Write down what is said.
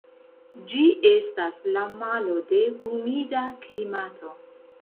Ĝi estas la malo de humida klimato.